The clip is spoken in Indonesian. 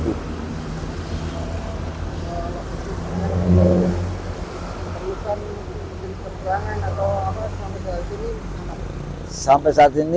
perlu kan kegiatan perjuangan atau apa sampai saat ini